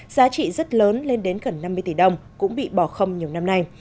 giá trị rất lớn lên đến gần năm mươi tỷ đồng cũng bị bỏ không nhiều năm nay